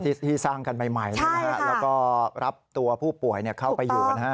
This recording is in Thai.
ที่สร้างกันใหม่แล้วก็รับตัวผู้ป่วยเข้าไปอยู่นะฮะ